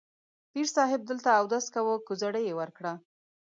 پیر صاحب دلته اودس کاوه، کوزړۍ یې وار کړه.